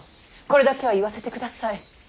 これだけは言わせてください。